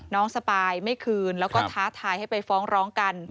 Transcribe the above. สปายไม่คืนแล้วก็ท้าทายให้ไปฟ้องร้องกัน